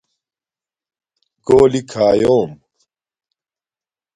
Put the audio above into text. گُولی کھایُوم